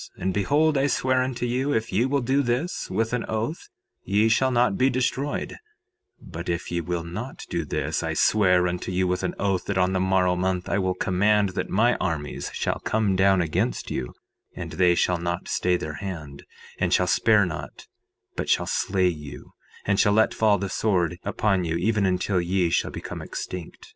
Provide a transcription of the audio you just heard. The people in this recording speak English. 3:8 And behold, I swear unto you, if ye will do this, with an oath, ye shall not be destroyed; but if ye will not do this, I swear unto you with an oath, that on the morrow month I will command that my armies shall come down against you, and they shall not stay their hand and shall spare not, but shall slay you, and shall let fall the sword upon you even until ye shall become extinct.